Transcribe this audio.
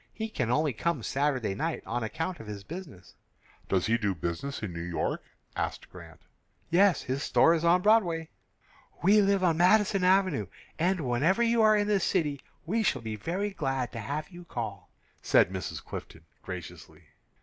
"He can only come Saturday night on account of his business." "Does he do business in New York?" asked Grant. "Yes; his store is on Broadway." "We live on Madison Avenue, and whenever you are in the city we shall be very glad to have you call," said Mrs. Clifton, graciously.